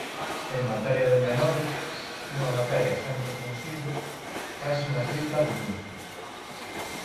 En materia de menores, unha materia sempre sensible, faise unha tripla denuncia.